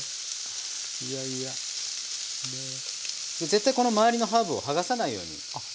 絶対この周りのハーブを剥がさないように。